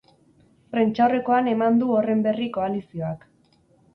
Prentsaurrekoan eman du horren berri koalizioak.